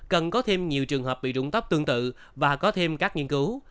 cần có thêm nhiều trường hợp bị rụng tóc tương tự và có thêm các nghiên cứu